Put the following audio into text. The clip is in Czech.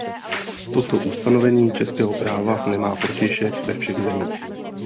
Toto ustanovení českého práva nemá protějšek ve všech zemích.